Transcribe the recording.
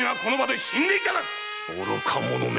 愚か者め！